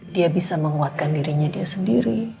dia bisa menguatkan dirinya dia sendiri